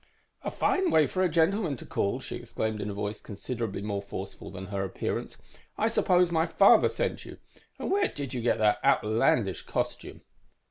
"_ _"A fine way for a gentleman to call!" she exclaimed in a voice considerably more forceful than her appearance. "I suppose my father sent you. And where did you get that outlandish costume?"